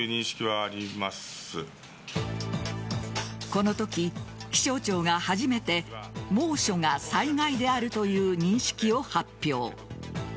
このとき、気象庁が初めて猛暑が災害であるという認識を発表。